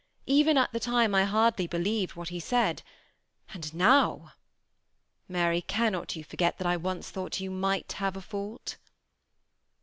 Even at the time I hardly believed what ha' said ; and now ! Mary^ cannot you forget that I once thought you might have a fault